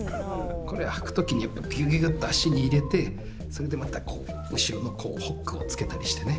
これは、はく時にぎゅぎゅぎゅっと、足に入れてそれで、また後ろのホックをつけたりしてね。